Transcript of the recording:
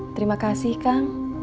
terima kasih kang